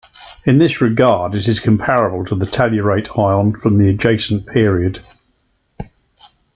In this regard it is comparable to the tellurate ion from the adjacent period.